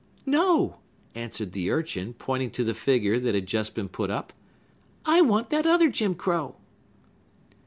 "No," answered the urchin, pointing to the figure that had just been put up; "I want that other Jim Crow."